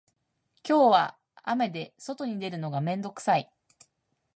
今日は雨で外に出るのが面倒くさい